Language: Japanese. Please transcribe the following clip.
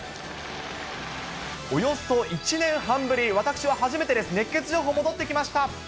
およそ１年半ぶり、私は初めてです、熱ケツ情報戻ってきました。